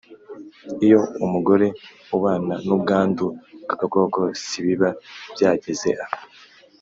Iyo umugore ubana n ubwandu bw agakoko sibiba byageze aha